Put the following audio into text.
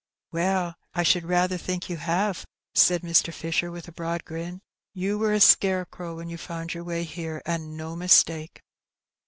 "Well, I should rather think you have," said Mr. 268 Hee Benny. Fisher, with a broad grin; ''yoa were a scarecrow when yea foand your way here, and no mistake."